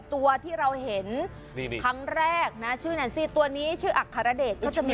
ตัวที่เราเห็นครั้งแรกชื่อไหนสิตัวนี้ชื่ออักขาราเดช